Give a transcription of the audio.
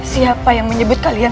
siapa yang menyebut kalian